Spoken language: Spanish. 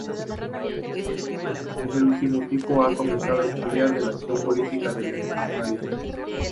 En el último tiempo ha comenzado a estudiar la acción política del empresariado.